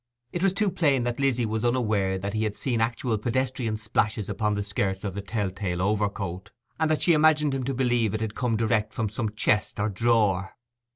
It was too plain that Lizzy was unaware that he had seen actual pedestrian splashes upon the skirts of the tell tale overcoat, and that she imagined him to believe it had come direct from some chest or drawer.